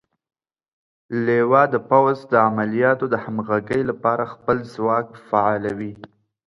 لوا د پوځ د عملیاتو د همغږۍ لپاره خپل ځواک فعالوي.